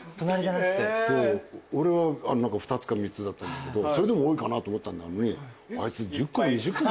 そう俺は２つか３つだったんだけどそれでも多いかな？と思ったなのにあいつ１０個も２０個も。